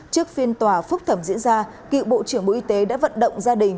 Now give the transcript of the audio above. trước phiên tòa phúc thẩm diễn ra cựu bộ trưởng bộ y tế đã vận động gia đình